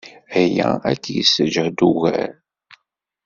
Aya ad k-yessejhed ugar.